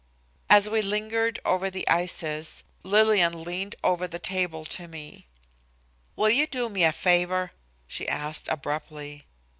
As we lingered over the ices, Lillian leaned over the table to me. "Will you do me a favor?" she asked abruptly.